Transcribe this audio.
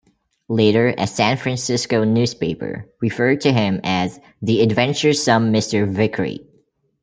Later, a San Francisco newspaper referred to him as "the adventuresome Mr. Vickery".